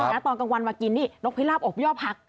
ตอนกลางวันมากินนี่นกพิลาบอกย่อผัก